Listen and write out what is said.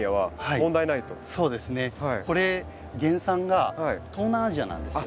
これ原産が東南アジアなんですよ。